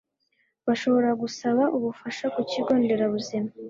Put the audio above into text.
bashobora gusaba ubufasha ku kigo nderabuzima